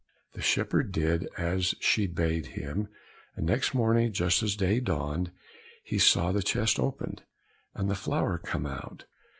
The shepherd did as she bade him, and next morning just as day dawned, he saw the chest open, and the flower come out.